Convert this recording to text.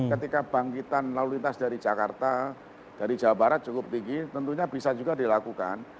ketika bangkitan lalu lintas dari jakarta dari jawa barat cukup tinggi tentunya bisa juga dilakukan